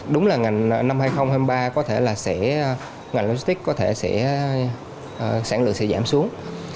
đúng là ngành năm hai nghìn hai mươi ba có thể là sẽ ngành logistics có thể sẽ sản lượng sẽ giảm xuống